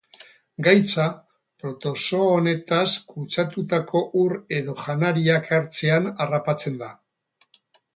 Gaitza protozoo honetaz kutsatutako ur edo janariak hartzean harrapatzen da.